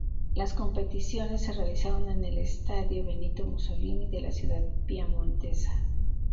Las competiciones se realizaron en el Estadio Benito Mussolini de la ciudad piamontesa.